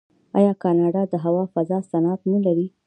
آیا کاناډا د هوا فضا صنعت نلري؟